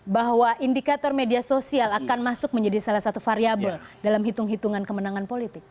bahwa indikator media sosial akan masuk menjadi salah satu variable dalam hitung hitungan kemenangan politik